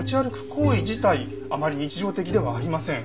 行為自体あまり日常的ではありません。